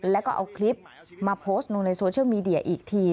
แล้วก็เอาคลิปมาโพสต์ลงในโซเชียลมีเดียอีกที